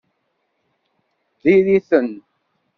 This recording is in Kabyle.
Diri-ten!